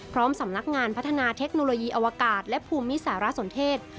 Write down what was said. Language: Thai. สำนักงานพัฒนาเทคโนโลยีอวกาศและภูมิสารสนเทศ